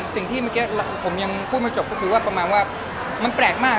สิ่งที่เมื่อกี้ผมยังพูดไม่จบก็คือว่าประมาณว่ามันแปลกมาก